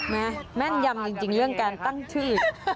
แม่แม่นยำจริงเรื่องการตั้งชื่อ